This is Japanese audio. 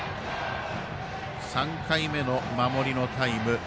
３回目の守りのタイム。